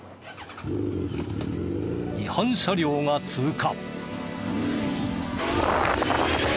違反車両が通過。